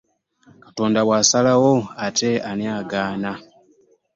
Katonda bw'asalawo ate ani agaana?